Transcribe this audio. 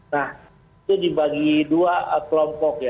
nah itu dibagi dua kelompok ya